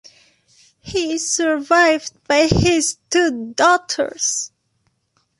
He is survived by his two daughters.